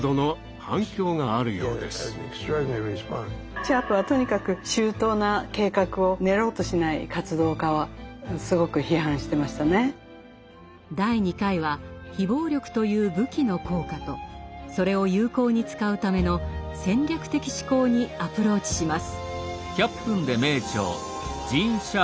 シャープはとにかく第２回は非暴力という「武器」の効果とそれを有効に使うための戦略的思考にアプローチします。